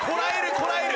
こらえる！